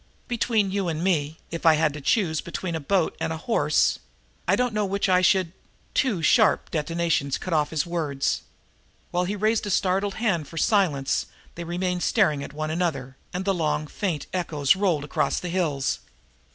Between you and me, if I had to choose between a boat and a horse I don't know which I should " Two sharp detonations cut off his words. While he raised a startled hand for silence they remained staring at one another, and the long, faint echoes rolled across the hills.